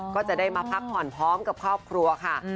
ก็จะได้มาพักผ่อนพร้อมกับครอบครัวค่ะ